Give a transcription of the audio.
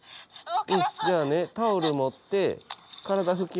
じゃあねタオル持って体拭きましょうか。